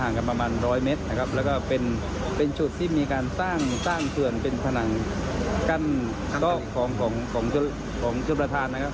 ห่างกันประมาณ๑๐๐เมตรเป็นชุดที่มีการสร้างส่วนเป็นผนังกั้นดอกของชุดประธาน